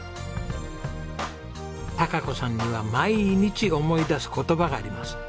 貴子さんには毎日思い出す言葉があります。